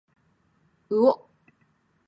うお